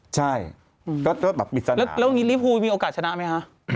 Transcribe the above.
ใช่ก็ปิดสนามแล้วลิฟภูมิมีโอกาสชนะไหมฮะ